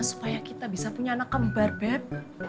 supaya kita bisa punya anak kembar bep